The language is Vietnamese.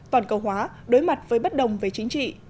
toàn cầu hóa đối mặt với bất đồng về chính trị